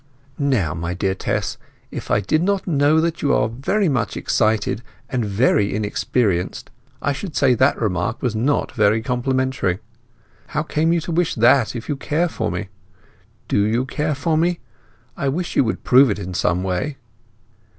"Now, my dear Tess, if I did not know that you are very much excited, and very inexperienced, I should say that remark was not very complimentary. How came you to wish that if you care for me? Do you care for me? I wish you would prove it in some way."